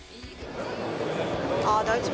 あ大丈夫。